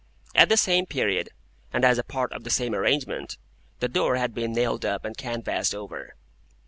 At the same period, and as a part of the same arrangement,—the door had been nailed up and canvased over.